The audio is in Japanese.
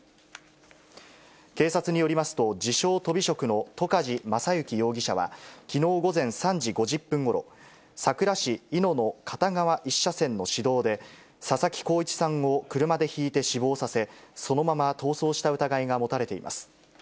警察によりますと、自称とび職の戸梶将行容疑者は、きのう午前３時５０分ごろ、佐倉市井野の片側１車線の市道で、佐々木功一さんを車でひいて死亡させ、そのまま逃走した疑いが持たれています。